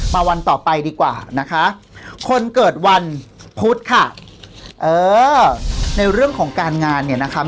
วันต่อไปดีกว่านะคะคนเกิดวันพุธค่ะเออในเรื่องของการงานเนี่ยนะคะ